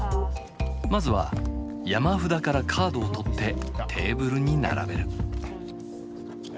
まずは山札からカードを取ってテーブルに並べる。